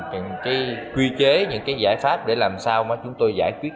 những cái quy chế những cái giải pháp để làm sao mà chúng tôi giải quyết